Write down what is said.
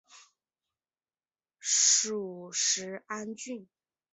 属始安郡。